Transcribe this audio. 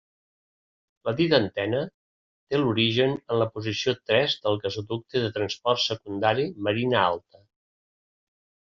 La dita antena té l'origen en la posició tres del gasoducte de transport secundari Marina Alta.